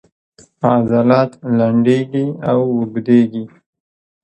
عضلات لنډیږي او اوږدیږي